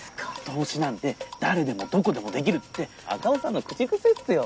投資なんて誰でもどこでもできるって赤尾さんの口癖っすよ。